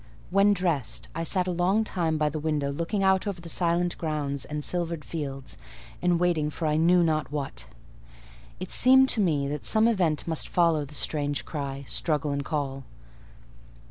When dressed, I sat a long time by the window looking out over the silent grounds and silvered fields and waiting for I knew not what. It seemed to me that some event must follow the strange cry, struggle, and call.